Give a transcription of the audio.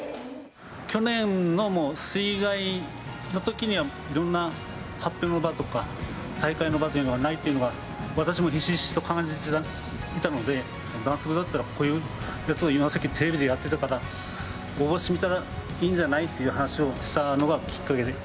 去年の水害のときには、いろんな発表の場とか、大会の場というのがないというのが、私もひしひしと感じていたので、ダンス部だったらこういうやつを今さっきテレビでやってたから、応募してみたらいいんじゃないっていう話をしたのがきっかけで。